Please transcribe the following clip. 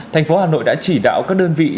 thành phố hà nội đã chỉ đạo các đơn vị